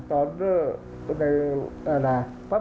ภาคอีสานแห้งแรง